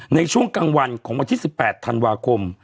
ในช่วงกลางวันของวันที่๑๘ธันวาคม